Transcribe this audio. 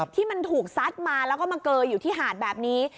ที่มันถูกซัดมาแล้วก็มาเกยอยู่ที่หาดแบบนี้